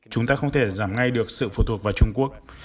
chúng ta không thể giảm ngay được sự phụ thuộc vào trung quốc